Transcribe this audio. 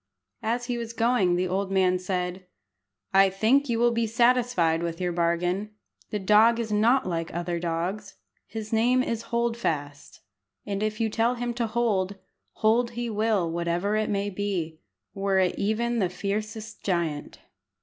As he was going the old man said "I think you will be satisfied with your bargain. The dog is not like other dogs. His name is Hold fast, and if you tell him to hold, hold he will whatever it may be, were it even the fiercest giant."